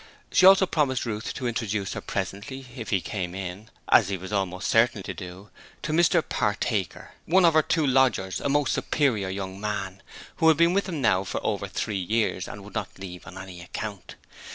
She also promised Ruth to introduce her presently if he came in, as he was almost certain to do to Mr Partaker, one of her two lodgers a most superior young man, who had been with them now for over three years and would not leave on any account.